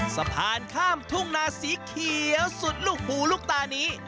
สะพานข้ามทุ่งนาสีเขียวสุดลูกหูลูกตานี้